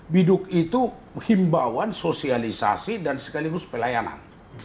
biduk itu himbawan sosialisasi dan sekaligus pelayanan